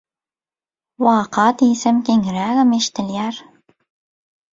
Waka diýsem geňirägem eşdilýär.